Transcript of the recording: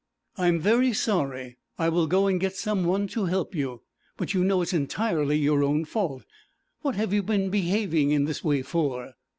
'I'm very sorry; I will go and get some one to help you, but you know it's entirely your own fault. What have you been behaving in this way for?'